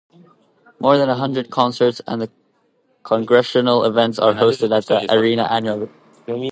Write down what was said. More than a hundred concerts and congressional events are hosted at the arena annually.